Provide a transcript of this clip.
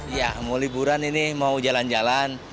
iya mau liburan ini mau jalan jalan